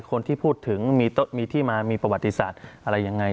คนที่พูดถึงมีที่มามีประวัติศาสตร์อะไรยังไง